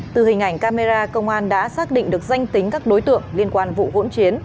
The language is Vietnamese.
từ hình ảnh camera công an đã xác định được danh tính các đối tượng liên quan vụ hỗn chiến